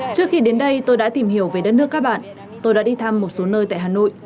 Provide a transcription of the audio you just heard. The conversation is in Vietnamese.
trước khi đến đây tôi đã tìm hiểu về đất nước các bạn tôi đã đi thăm một số nơi tại hà nội